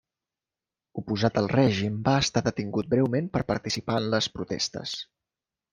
Oposat al règim va estar detingut breument per participar en les protestes.